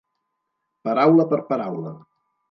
Paraula per paraula.